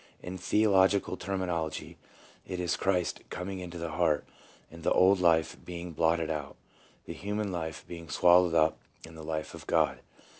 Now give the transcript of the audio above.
In theological terminology it is Christ coming into the heart and the old life being blotted out — the human life being swallowed up in the life of God."